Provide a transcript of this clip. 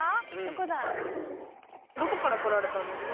どこから来られたんですか？